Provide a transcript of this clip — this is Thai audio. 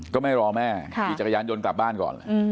ก็ไม่รอแม่ขี่จักรยานยนต์กลับบ้านก่อน